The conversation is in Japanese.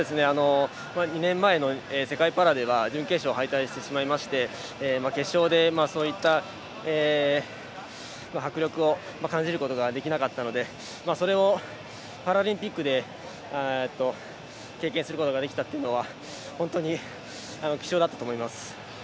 ２年前の世界パラでは準決勝敗退してしまいまして決勝でそういった迫力を感じることができなかったのでそれをパラリンピックで経験することができたというのは本当に貴重だったと思います。